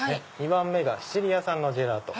２番目がシチリア産のジェラート。